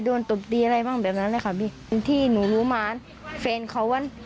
โดนตบตีอะไรบ้างแบบนั้นเลยค่ะบีที่หนูรู้มาเฟรนเขา